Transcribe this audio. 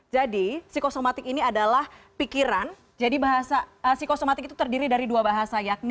jadi psikosomatik ini adalah pikiran jadi psikosomatik itu terdiri dari dua bahasa yakni